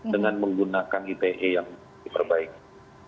dengan menggunakan ite yang diperbaiki